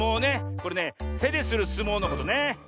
これねてでするすもうのことね。